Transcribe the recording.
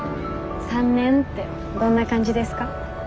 ３年ってどんな感じですか？